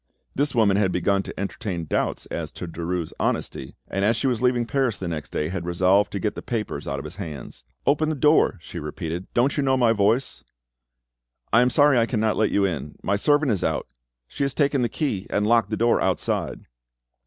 This woman had begun to entertain doubts as to Derues' honesty, and as she was leaving Paris the next day, had resolved to get the papers out of his hands. "Open the door," she repeated. "Don't you know my voice?" "I am sorry I cannot let you in. My servant is out: she has taken the key and locked the door outside."